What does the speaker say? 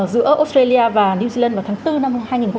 giữa australia và new zealand vào tháng bốn năm hai nghìn hai mươi